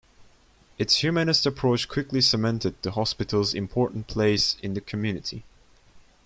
Its humanist approach quickly cemented the hospital's important place in the community.